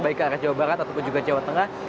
baik ke arah jawa barat ataupun juga jawa tengah